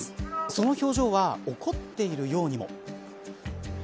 その表情は怒っているようにも。